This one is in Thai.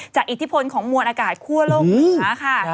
จากอิทธิพลของมวลอากาศคั่วโล่งเหมือนกันค่ะ